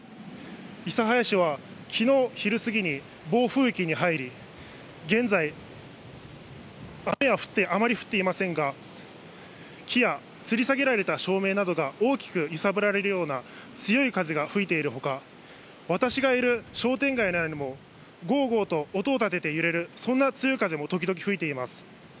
諫早市はきのう昼過ぎに、暴風域に入り、現在、雨はあまり降っていませんが、木やつり下げられた照明などが大きく揺さぶられるような強い風が吹いているほか、私がいる商店街内にも、ごーごーと音を立てて揺れる、そんな強い風も時々吹いています。